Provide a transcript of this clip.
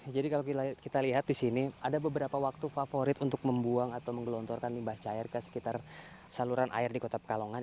jadi kalau kita lihat di sini ada beberapa waktu favorit untuk membuang atau menggelontorkan limbah cair ke sekitar saluran air di kotak pekalongan